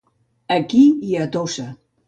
Aquí i a Tossa.